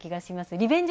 リベンジ